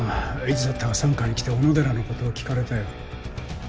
いつだったか三課に来て小野寺のことを聞かれたよ。